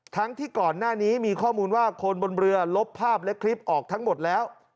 ทั้งที่ก่อนหน้านี้มีข้อมูลว่าคนบนเรือลบภาพและคลิปออกทั้งหมดแล้ว